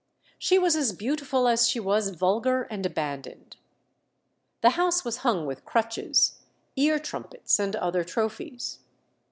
She was as beautiful as she was vulgar and abandoned. The house was hung with crutches, ear trumpets, and other trophies.